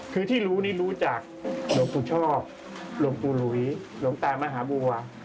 คือที่รู้นี่รู้จากหลวงปู่ชอบหลวงปู่หลุยหลวงตามหาบัว